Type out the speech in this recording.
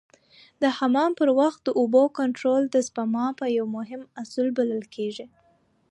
د حمام پر وخت د اوبو کنټرول د سپما یو مهم اصل بلل کېږي.